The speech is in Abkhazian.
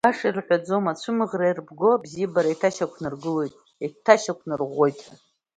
Баша ирҳәаӡом, ацәымӷра иарбго, абзиабара еиҭашьақәнаргылоит, еиҭашьақәнарӷәӷәоит ҳәа.